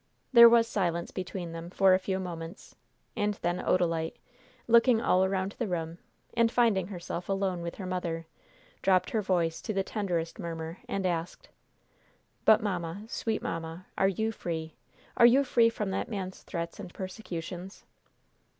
There was silence between them for a few moments, and then Odalite, looking all around the room, and finding herself alone with her mother, dropped her voice to the tenderest murmur, and asked: "But, mamma, sweet mamma, are you free? Are you free from that man's threats and persecutions?"